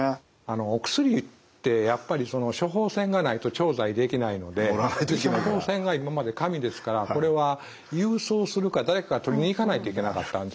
お薬ってやっぱり処方箋がないと調剤できないので処方箋が今まで紙ですからこれは郵送するか誰かが取りに行かないといけなかったんですね。